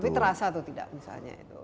tapi terasa atau tidak misalnya itu